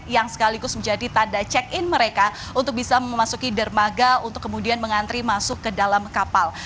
yang sekaligus menjadi tanda check in mereka untuk bisa memasuki dermaga untuk kemudian mengantri masuk ke dalam kapal